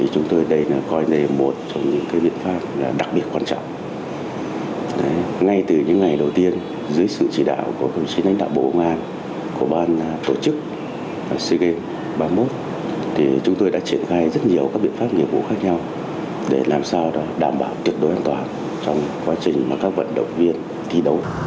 chúng tôi đã triển khai rất nhiều các biện pháp nghiệp vụ khác nhau để làm sao đảm bảo tuyệt đối an toàn trong quá trình các vận động viên thi đấu